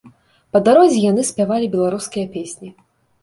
Па дарозе яны спявалі беларускія песні.